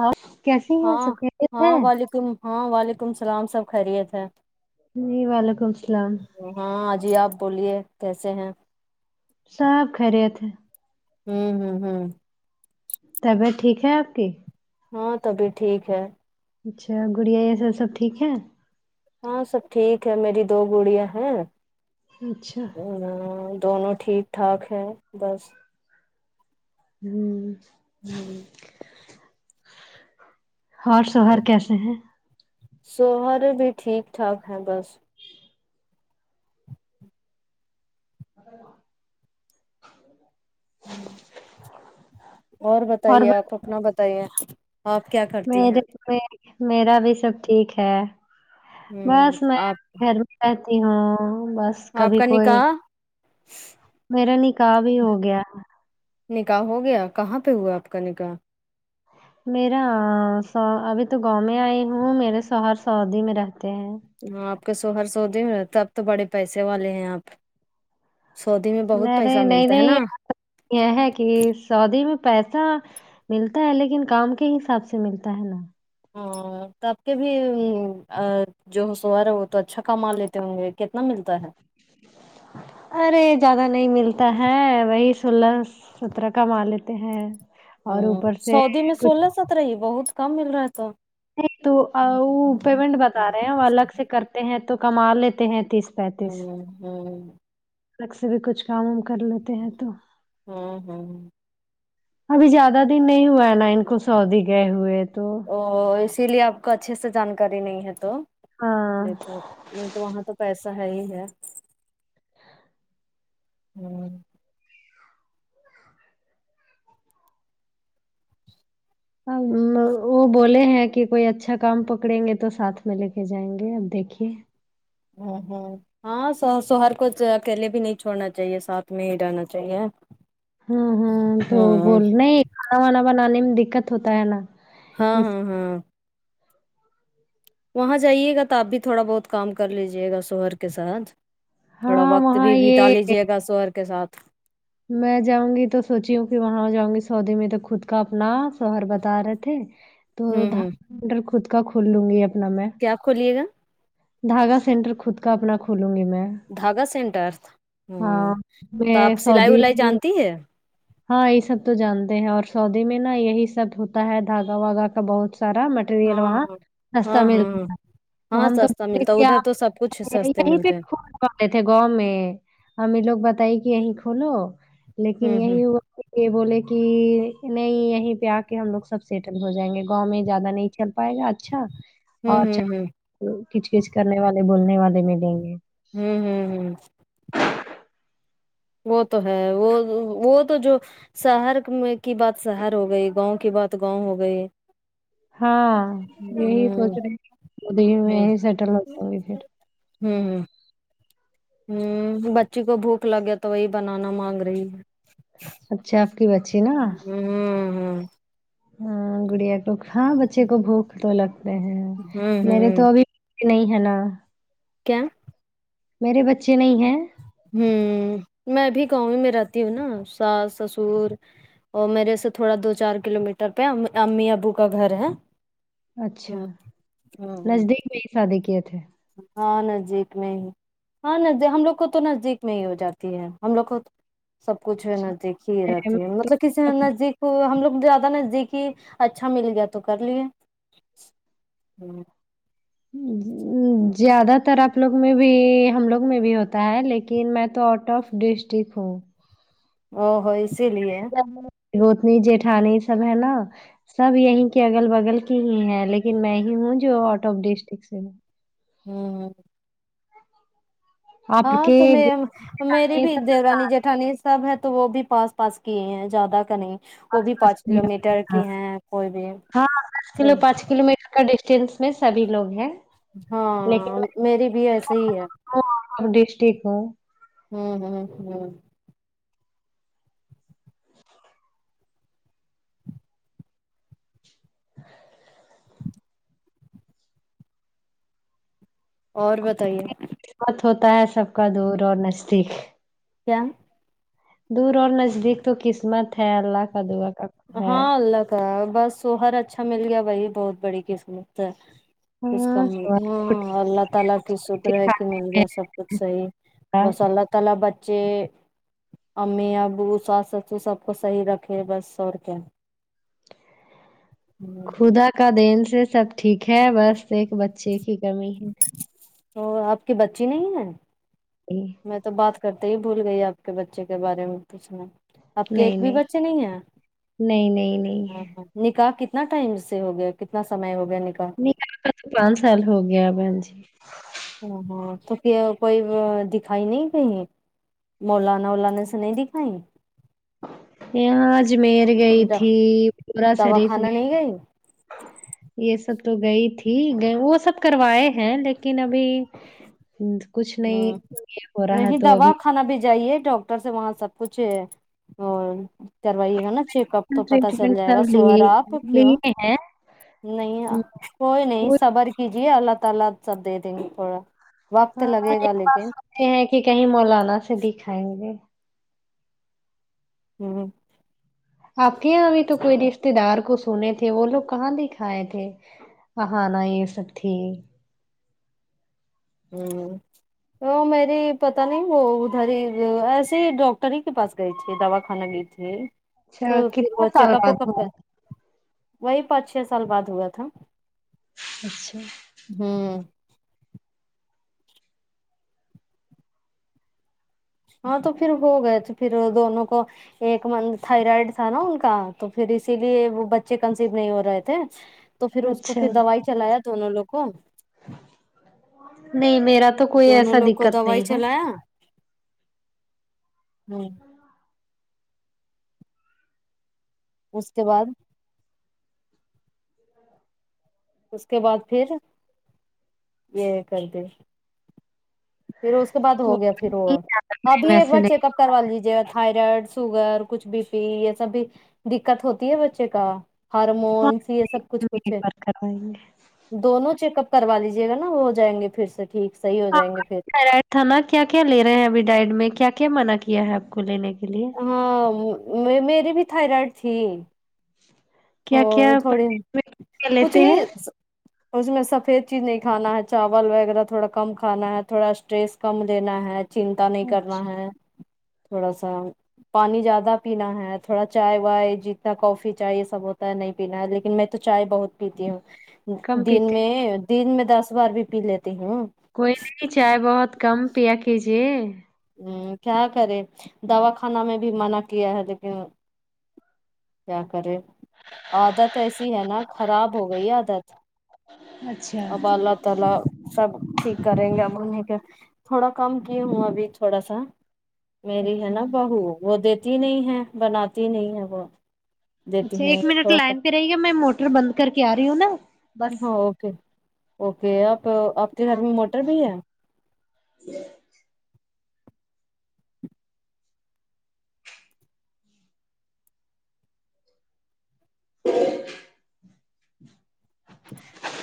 آپ کیسی ہیں ہاں سب خیریت ہاں ہے وعلیکم ہاں وعلیکم السلام سب خیریت ہے جی وعلیکم السلام ہاں جی آپ بولیے کیسے ہیں سب خیریت ہے ہوں ہوں ہوں طبیعت ٹھیک ہے آپ کی ہاں طبیعت ٹھیک ہے اچھا گڑیا یہ سب سب ٹھیک ہے ہاں سب ٹھیک ہے میری دو گڑیاں ہیں اچھا اوں دونوں ٹھیک ٹھاک ہے بس ہوں ہوں اور شوہر کیسے ہیں شوہر بھی ٹھیک ٹھاک ہے بس ہوں اور بتائیے آپ اپنا بتائیے آپ کیا کرتی ہیں مے میرا بھی سب ٹھیک ہے ہوں بس میں آپ گھر رہتی ہوں بس آپ کبھی کا کوئی نکاح میرا نکاح بھی ہو گیا نکاح ہو گیا کہاں پہ ہوا آپ کا نکاح میرا س ابھی تو گاؤں میں آئی ہوں میرے شوہر سعودی میں رہتے ہیں ہاں آپ کے شوہر سعودی میں رہتےاب تو بڑے پیسے والے ہیں آپ سعودی میں بہت پیسہ میرے نہیں ملتا ہے نا نہیں یہ ہے کی سعودی میں پیسہ ملتا ہے لیکن کام کے حساب سے ملتا ہے نا ہاں تو آپ کے بھی وں ا جو شوہر ہے وہ تو اچھا کما لیتے ہوں گے کتنا ملتا ہے ارے زیادہ نہیں ملتا ہے وہی سولہ سترہ کما لیتے ہیں اور ہوں اوپر سے سعودی میں کچھ سولہ سترہ ہی بہت کم مل رہا ہے تو نہیں تو وہ پیمنٹ بتا رہے ہیں الگ سے کرتے ہیں تو کما لیتے ہیں تیس پینتیس ہوں ہوں الگ سے بھی کچھ کام وم کر لیتے ہیں تو ہاں ہاں ابھی زیادہ دن نہیں ہوا ہے نا ان کو سعودی گئے ہوئے تو وو اسی لیے آپ کو اچھے سے جانکاری نہیں ہے تو ہاں دیکھو نہیں تو وہاں تو پیسہ ہے ہی ہے ہوں ا وہ بولے ہیں کہ کوئی اچھا کام پکڑیں گے تو ساتھ میں لے کے جائیں گے اب دیکھیے ہوں ہوں ہاں سو شوہر کو اکیلے بھی نہیں چھوڑنا چاہیے ساتھ میں ہی رہنا چاہیے ہوں ہوں تو ہاں بول نہیں کھانا وانا بنانے میں دکت ہوتا ہے نا ہاں اس ہاں ہاں وہاں جائیے گا تو آپ بھی تھوڑا بہت کام کر لیجیے گا شوہر کے ساتھ تھوڑا ہاں وقت وہاں بھی بتا یہ لیجے گا شوہر کے ساتھ میں جاؤں گی تو سوچی ہوں کہ وہاں جاؤں گی سعودی میں تو خود کا اپنا شوہر بتا رہے تھے تو ہوں دھار ہوں مٹر خود کا کھول لوں گی اپنا میں کیا کھولیے گا دھاگا سینٹر خود کا اپنا کھولوں گی میں دھاگا سینٹر ہوں ہاں میں تبس سعودی [unintelligible] ہاں یہ سب تو جانتے ہیں اور سعودی میں نا یہی سب ہوتا ہے دھاگا واگا کا بہت سارا مٹریل ہاں وہاں سستہ ہاں ہاں ہاں ملتا تو ہاں ہم تو سستا ب ملتا ہے کیا ادھر تو سب کچھ سستے یہیں پہ ملتے ہیں [unintelligible] کرتے تھے گاؤں میں امی لوگ بتائی کہ یہیں کھولو لیکن ہوں ہوں یہی ہوا یہ بولے کہ نہیں یہیں پہ آ کے ہم لوگ سب سیٹل ہو جائیں گے گاؤں میں زیادہ نہیں چل پائے گا اچھا اور ہوں ہوں کچ کچ کرنے والے بولنے والے ملیں گے ہوں ہوں ہوں وہ تو ہے وہ وہ تو جو شہر میں کی بات شہر ہو گئی گاؤں کی بات گاؤں ہو گئی ہاں یہی سوچ ہوں ہوں رہے سعودی میں ہی سیٹل ہوتا ہو پھر ہوں ہوں ہوں بچی کو بھوک لگے تو وہی بنانا مانگ رہی ہے اچھا آپ کی بچی نا ہوں ہوں ہوں ہوں ہاں گڑیا کو ہاں بچے کو بھوک تو لگتے ہیں ہوں میرے تو ہوں ابھی نہیں ہے نا کیا میرے بچے نہیں ہیں ہوں میں بھی گاؤں ہی میں رہتی ہوں نا ساس سسر اور میرے سے تھوڑا دو چار کلو میٹر پہ امی ابو کا گھر ہے اچھا نزدیک میں ہی شادی کیے تھے ہاں نزدیک میں ہی ہاں ن ہم لوگ کو تو نزدیک میں ہی ہو جاتی ہے ہم لوگ کو سب کچھ اچھا نزدیک ہی رہتی میں تو ہے کسی نزدیک ہم لوگ زیادہ نزدیک ہی اچھا مل گیا تو کر لیے [inaudible] زیادہ تر آپ لوگ میں بھی ہم لوگ میں بھی ہوتا ہے لیکن میں تو آؤٹ آف ڈیسٹک ہوں او ہو اسی لیے روتنی جیٹھانی سب ہے نا سب یہیں کے اگل بگل کی ہی ہیں لیکن میں ہی ہوں جو آؤٹ آف ڈیسٹک سے ہوں ہوں ہ آپ ہاں کے تو میں میری جیٹھانی یہ بھی سب دیورانی جیٹھانی سب ہے تو وہ بھی پاس پاس کیے ہیں زیادہ کا نہیں وہ پاس بھی پاس پانچ میں کلو ہیں؟ میٹر ہاں کی ہے وہ بھی ہاں، دس کلو پانچ کلو میٹر کا ڈسٹینس میں سبھی لوگ ہیں ہاں میری بھی ایسے ہی ہے ڈسٹک ہوں ہوں ہوں ہوں [inaudible] اور بتائیے بہت ہوتا ہے سب کا دور اور نزدیک کیا دور اور نزدیک تو قسمت ہے اللہ کا دعا کا ہے ہاں اللہ کا بس شوہر اچھا مل گیا وہیں بہت بڑی قسمت ہے کچھ کا ہاں سوال تو ہاں اللہ تعالی کی شکر ٹھیک ہے ٹھاک کہ مل آنے میں گیا سب کچھ صحیح تھا۔ بس اللہ تعالی بچے امی ابو ساس سسر سب کو صحیح رکھے بس اور ہوں خدا کا دین سے سب ٹھیک ہے بس ایک بچے کی کمی ہے اور آپ کی بچی نہیں ہے [inaudible] میں تو بات کرتے ہی بھول گئی آپ کے بچے کے بارے میں پوچھنا آپ کے ایک نہیں نہیں بھی بچے نہیں ہیں نہیں نہیں نہیں ہے نکاح کتنا ٹائم سے ہو گیا کتنا سمے ہو گیا نکاح نکاح کا تو پانچ سال ہو گیا باجی ہ ہاں تو کہ کوئی دکھائی نہیں گئی ہے مولانا وولانا سے نہیں دیکھای پھر اجمیر گئی تھی عمرہ دوا شریف کھانا گئی نہیں یہ سب تو گئی تھی وہ سب کروائے ہیں لیکن ابھی کچھ نہیں ہ یہ ہو رہا نہیں تو دوا ابھی کھانا بھی جائیے ڈاکٹر سے وہاں سب کچھ کروائیے گا نا چیک کب تو پتا چل ٹریٹمنٹ جائے گا سب لیے سوہرا آپ کیوں لیے ہیں نہیں کوئی نہیں صبر کیجیے اللہ تعالی سب دے دیں گے تھوڑا تو لگے گا لیکن کہے کہ کہیں مولانا سے دکھائیں گے ھمم آپکے یہا بھی تو کوئی رشتے دار کچھ سنے تھے وہ لوگ کہاں دکھائے تھے آہانا یہ سب تھی ہمم وہ میری پتا نہیں وہ ادھر ہی ایسے ہی ڈاکٹر ہی کے پاس گئی تھی دوا خانا گئی تھی اور اچھا پھر کتنے وہ سال چیک اپ وک بعد اپ کا ہوا وہی پانچ چھ سال بعد ہوا تھا اچھا ھمم ہاں تو پھر وہ گئے تھے پھروہ دونوں کو ایک منتہ تھائرائڈ تھا نا ان کا تو پھر اسی لیے وہ بچے کنسیو نہیں ہو رہے تھے تو پھر اس کو اچھا پھر دوائی چلایا دونوں لوگ کو نہیں میرا تو کوئی دونوں ایسا لوگ کو دککت نہیں ہے ھمم اس کے بعد اس کے بعد پھر یہ کرتے پھر اس کے بعد ہو گیا کوئی پھر وہ نہیں جاتا، ابھی میرے ایک ویسے بار نہیں چیک اپ ہوتا. کروا لیجیے تھائرائڈ سوگر کچھ بی پی یہ سب بھی دککت ہوتی ہے بچے کا ہاں ہارمونس یہ سب کچھ کچھ ایک ہے بار کروائیں گے دونوں چیک اپ کروا لیجیے گا نا وہ ہو جائیں گے پھر سے ٹھیک صحیح ہو جائیں گے پھر کھا نا کیا کیا لے رہے ہیں ابھی ڈائٹ میں کیا کیا منع کیا ہے آپ کو لینے کے لیے ہاں میری بھی تھائرائڈ تھی تو کیا کیا تھوڑی پرہیز میں کیا کچھ لیتے ہیں نہیں سا اس میں سفید چیز نہیں کھانا ہے چاول وغیرہ تھوڑا کم کھانا ہے تھوڑا اسٹریس کم لینا ہے چنتا نہیں کرنا اچھا ہے تھوڑا سا پانی زیادہ پینا ہے تھوڑا چائے وائے جتنا کافی چائے یہ سب ہوتا نہیں پینا لیکن میں تو چائے بہت پیتی ہوں کم دن پیتے ہیں؟ میں دن میں دس بار بھی پی لیتی ہوں کوئی نہیں چائے بہت کم پیا کیجیے ھمم کیا کرے دوا خانا میں بھی منع کیا ہے لیکن کیا کرے عادت ایسی ہے نا خراب ہو گئی عادت اچھا اب اللہ تعالی سب ٹھیک کریں گے اب ہمے کے تھوڑا کم کی ہوں ابھی تھوڑا سا میری ہے اچھا نا بہو وہ دیتی نہیں ہے بناتی نہیں ہے وہ دیتی اچھا نہیں ایک ہے منٹ تھوڑا سا لائن پہ رہی گا میں موٹر بند کر کے آ رہی ہوں نا بس ہاں اوکے اوکے آپ آپ کے گھر میں موٹر بھی ہے ج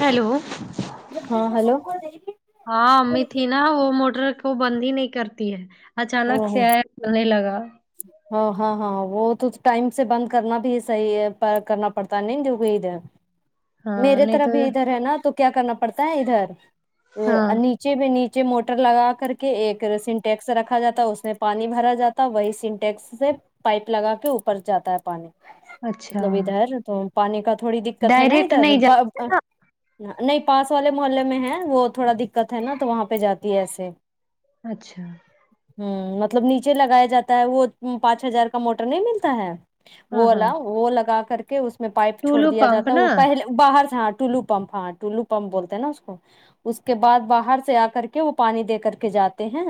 ہیلو ہاں ہلو ہاں امی تھی نا وہ موٹر کو بند ہی نہیں کرتی ہے ہاں اچانک ہاں شکه کر نے لگا ہاں ہاں ہاں وہ تو ٹائم سے بند کرنا بھی ہے صحیح ہے کرنا پڑتا ہے نہیں جو وہ ہے ہ میرے طرف بھی ادھر ہے نا تو کیا کرنا پڑتا ہے ادھر وہ ہاں انیچ نیچے میں نیچے موٹر لگا کر کے ایک سنٹیکس رکھا جاتا اس میں پانی بھرا جاتا وہی سنٹیکس سے پائپ لگا کے اوپر جاتا ہے پانی اچھا مطلب ادھر تو پانی کا تھوڑی دقت ہے نا ڈائریکٹ ادھر نہیں جاتے نا نہیں پاس والے محلے میں ہے وہ تھوڑا دقت ہے نا تو وہاں پہ جاتی ہے ایسے اچھا ہ مطلب نیچے لگایا جاتا ہے وہ پانچ ہزار کا موٹر نہیں ملتا ہے وہ ہاں ہاں والا وہ لگا کر کے اس میں پائپ چھوڑ ٹولو دیا پمپ جاتا نا وہ پہل باہر سے ہاں ٹولو پمپ ہاں ٹولو پمپ بولتے ہیں نا اس کو اس کے بعد باہر سے آ کر کے وہ پانی دے کر کے جاتے ہیں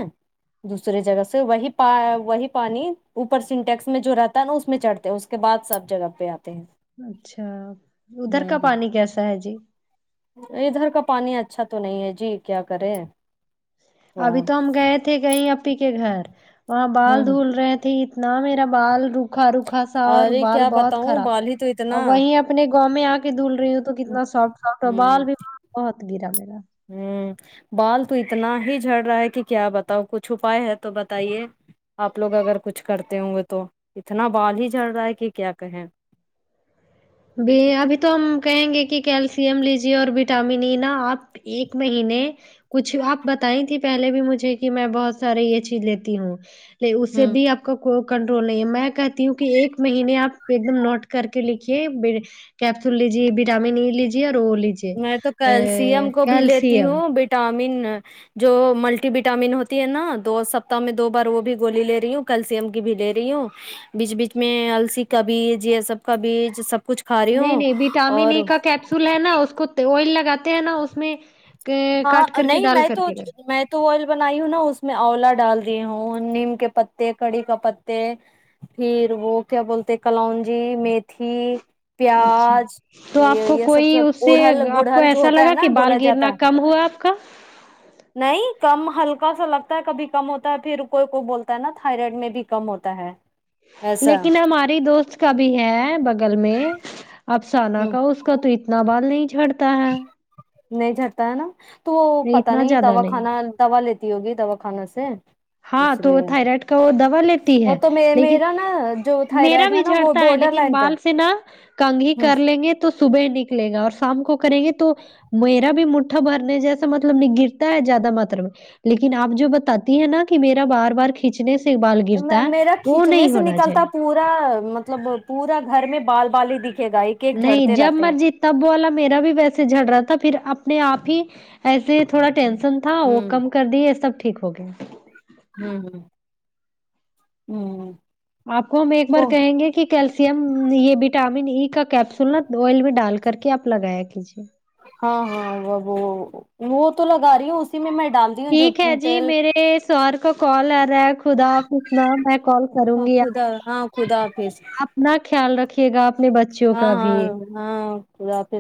دوسریے جگہ سے وہی پہ وہی پانی اوپر سنٹیکس میں جو رہتا ہے نا اس میں چڑھتے اس اس کے بعد سب جگہ پہ آتے ہیں اچھا ادھر ہوں کا ہوں پانی کیسا ہے جی ادھر کا پانی اچھا تو نہیں ہے جی کیا کرے تھوڑا ابھی تو ہم گئے تھے کہیں اپی کے گھر وہاں بال ہوں دھول رہے تھھی اتنا میرا بال روکھا روکھا سا اور ارے بال کیا بہت بتاؤں کرا بال ہی تو اور اتنا وہیں ا اپنے گاؤں میں آ کے دھول رہی ہوں تو کتنا سافٹ سافٹ اور ہوں بال بھی وہاں بہت گرا میرا ہوں بال تو اتنا ہی جڑ رہا ہے کہ کیا بتاؤ کچھ اپپائے ہے تو بتائیے آپ لوگ اگر کچھ کرتے ہوں گے تو اتنا بال ہی جھڑ رہا ہے کہ کیا کہیں ب ابھی تو ہم کہیں گے کہ کیلشیئم لیجیے اور وٹامن ای نا آپ ایک مہینے کچھ آپ بتائیں تھی پہلے بھی مجھے کہ میں بہت سارے یہ چیز لیتی ہوں ل اسے ہوں بھی آپ کا کو کنٹرول نہیں ہے میں کہتی ہوں کہ ایک مہینے آپ ایک دم نوٹ کر کے لکھی کیپسول لیجیے وٹامن ای لیجیے اور او لیجیے میں تو کیلشیم کو بھی لیتی کیلشیم ہوں وٹامن جو ملٹی وٹامن ہوتی ہے نا دو سپتاہ میں دو بار وہ بھی گولی لے رہی ہوں کیلشیئم کی بھی لے رہی ہوں بیچ بیچ میں السی کا بیج یہ سب کا بیج سب کچھ کھا رہی نہیں ہوں نہیں وٹامن اور ای کا کیپسول ہے نا اس کو آئل لگاتے ہیں نا اس میں کاٹ ہاں کر کے نہیں ڈال میں کر تو کے لگا میں تو آئل بنائی ہوں نا اس میں اولا ڈال دی ہوں نیم کے پتے کڑی کا پتے پھر وہ کیا بولتے کلونجی میتھی اچھا پیاز تو آپ یہ کو یہ سب کوئی سب اس سے اڑہل آپ کو گڑہل جو ایسا ہوتا ہے لگا کہ نا بال بولا جاتا گرنا ہے کم ہوا کا نہیں کم ہلکا سا لگتا ہے کبھی کم ہوتا ہے پھر کوئی کوئی بولتا ہے نا تھائرائڈ میں بھی کم ہوتا ہے ایسا لیکن ہماری دوست کا بھی ہے بغل میں افسانہ ہ کا اس کا تو اتنا بال نہیں جھڑتا ہے نہیں جھرتا ہے نا تو وہ پتا نہیں دوا خانا دوا لیتی ہوگی دوا کھانے سے اس ہاں تو لیے تھائرائڈ کا وہ دوا لیتی وہ ہے تو میں لیکن میرا نا جو میرا تھائرائڈ بھی ہے نا وہ جھرتا ہے بارڈر لیکن لائن پہ بال سے نہ کنگی کرلیں گے تو صبح نکلے گا اور شام کو کریں گے تو میرا بھی مٹھا بھرنے جیسا مطلب نہیں گرتا ہے زیادہ متر میں لیکن آپ جو بتاتی ہے نا کہ میرا بار بار کھینچنے سے بال گرتا ہے میرا وہ کھینچنے نہیں سے ہونا چاہی نکلتا پورا مطلب پورا گھر میں بال بال ہی دکھے گا ایک ایک نہیں جھڑتے جب رہتے ہیں مرضی تب والا میرا بھی ویسے جھر رہا تھا پھر اپنے آپ ہی ایسے تھوڑا ٹینشن تھا وہ ہوں کم کر دیے سب ٹھیک ہو گیا ہوں ہ ہوں آپ کو ہم ایک بار تو کہیں گے کہ کیلشیم یہ وٹامن ای کا کیپسول نا آئل میں ڈال کر کے آپ لگایا کیجے ہاں ہاں وہ وہ وہ تو لگا رہی ہوں اسی میں میں ڈال رہی ہوں جو ٹھیک ہے جی تیل میرے سر کا کال آ رہا ہے خدا نہ میں کال کروں گی آپ خدا کو ہاں خدا حافظ آپ نہ خیال رکھیے گا اپنے بچیوں ہاں کا بھی ہاں ہاں خداحافظ